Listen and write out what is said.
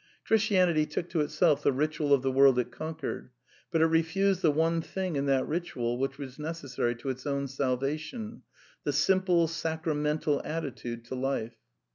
Christianity 'VtOok to itself the ritual of the world it conquered; but it refused the one thing in that ritual which was necessary to its own salvation — the simple, sacramental attitude to r life.